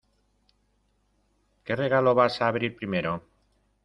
¿ Qué regalo vas a abrir primero?